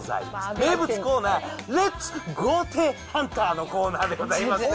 名物コーナー、レッツ豪邸ハンターのコーナーでございますね。